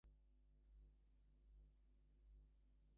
I'm not a master or a grandmaster.